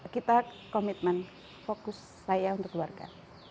kita komitmen fokus saya untuk keluarga